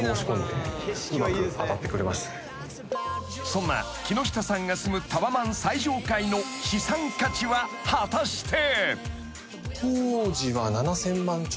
［そんな木下さんが住むタワマン最上階の資産価値は果たして］